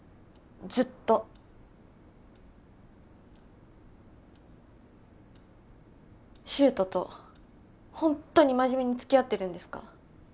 ずっと柊人とホントに真面目に付き合ってるんですか？